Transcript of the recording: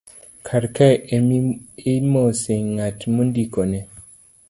karkae ema imose ng'at mindikone